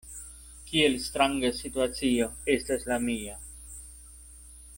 Kiel stranga situacio estas la mia.